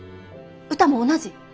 歌も同じ。